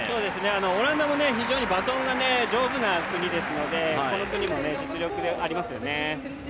オランダも非常にバトンが上手な国ですので、この国も実力がありますよね。